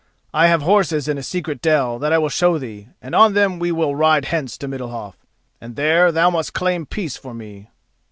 I have horses in a secret dell that I will show thee, and on them we will ride hence to Middalhof—and there thou must claim peace for me."